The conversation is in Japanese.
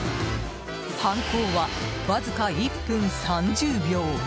犯行はわずか１分３０秒。